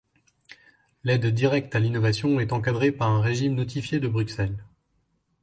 L'aide directe à l'innovation est encadrée par un régime notifié de Bruxelles.